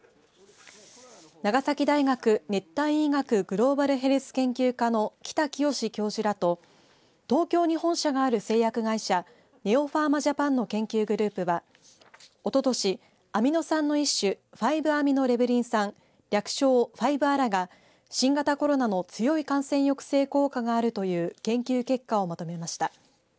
長崎大学熱帯医学グローバルヘルス研究科の北潔教授らと東京に本社がある製薬会社ネオファーマジャパンの研究グループはおととし、アミノ酸の一種５‐アミノレブリン酸略称、５‐ＡＬＡが新型コロナの強い感染抑制効果があるという研究結果をまとめました。